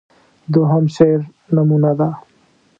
دوهم شعر نمونه ده.